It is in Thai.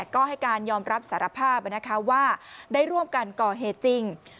ก็ให้การยอมรับสารภาพว่าได้ร่วมกันก่อเหตุจริง